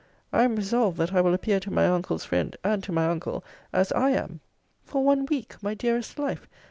I am resolved that I will appear to my uncle's friend, and to my uncle, as I am. For one week, my dearest life!